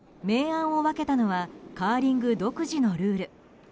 明暗を分けたのはカーリング独自のルール。